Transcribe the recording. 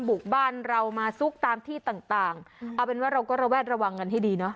บุกบ้านเรามาซุกตามที่ต่างต่างเอาเป็นว่าเราก็ระแวดระวังกันให้ดีเนอะ